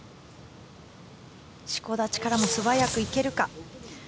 四股立ちからも素早く行けるか。